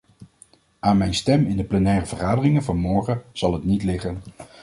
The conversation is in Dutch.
Aan mijn stem in de plenaire vergadering van morgen zal het niet liggen.